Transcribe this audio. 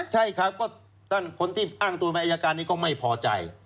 ใช่ครับก็ท่านคนที่อ้างตัวเป็นอายการนี้ก็ไม่พอใจ